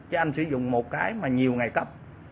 chứ anh sử dụng một cái mà nhiều ngày cấp